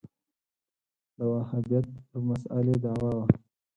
دا وهابیت پر مسألې دعوا وه